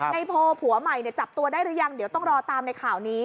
ในโพผัวใหม่จับตัวได้หรือยังเดี๋ยวต้องรอตามในข่าวนี้